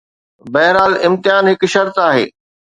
بهرحال، امتحان هڪ شرط آهي.